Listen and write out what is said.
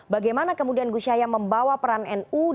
bagaimana kemudian gus yahya membawa peran nu